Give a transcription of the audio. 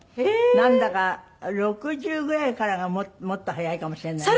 なんだか６０ぐらいからがもっと早いかもしれない。